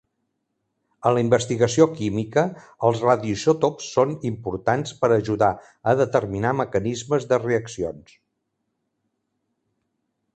En la investigació química els radioisòtops són importants per ajudar a determinar mecanismes de reaccions.